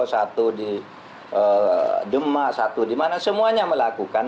satu di dema satu di mana semuanya melakukan